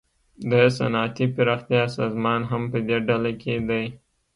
د صنعتي پراختیا سازمان هم پدې ډله کې دی